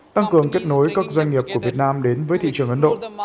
tăng cường kết nối các doanh nghiệp của việt nam đến với thị trường ấn độ